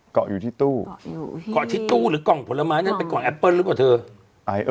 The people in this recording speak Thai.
เกาะอยู่ที่ตู้เกาะที่ตู้หรือกล่องผลไม้นั้นเป็นกล่องแอปเปิ้ลหรือเปล่าเธอ